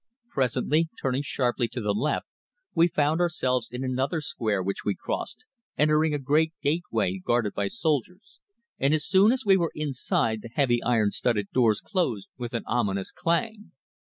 Presently, turning sharply to the left, we found ourselves in another square which we crossed, entering a great gateway guarded by soldiers, and as soon as we were inside the heavy iron studded doors closed with an ominous clang.